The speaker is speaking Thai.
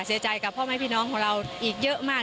เสียใจกับพ่อแม่พี่น้องของเราอีกเยอะมาก